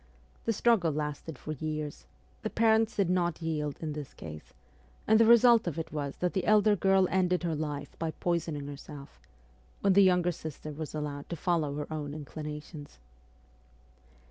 The struggle lasted for years ; the parents did not yield in this case, and the result of it was that the elder girl ended her life by poisoning herself, when her younger sister was allowed to follow her own inclinations.